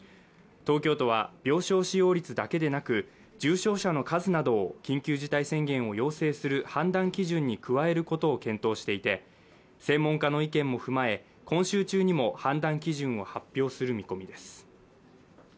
東京都は病床使用率だけでなく重症者の数など緊急事態宣言を要請する判断基準に加えることを検討していて専門家の意見も踏まえ今週中にも判断基準を発表する見込みです